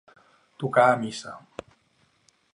Tocar a missa.